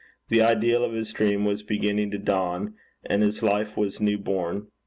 The ideal of his dreams was beginning to dawn, and his life was new born.